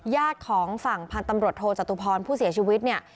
ญาติของฝั่งพทธภพศชเนี่ย